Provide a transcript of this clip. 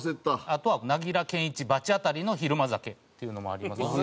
あとは『なぎら健壱バチ当たりの昼間酒』っていうのもありますし。